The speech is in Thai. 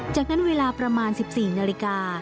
จากนั้นเวลาประมาณสิบสี่นาฬิกา